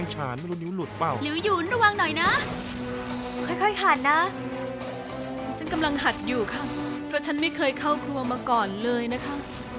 ฉันกำลังหัดอยู่ค่ะเพราะฉันไม่เคยเข้าครัวมาก่อนเลยนะคะ